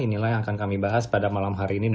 inilah yang akan kami bahas pada malam hari ini